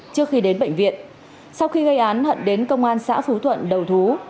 trước khi đến bệnh viện sau khi gây án hận đến công an xã phú thuận đầu thú